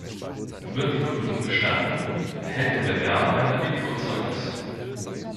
Wird die Prüfung bestanden, erhält der Bewerber ein Abiturzeugnis.